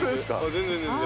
全然全然。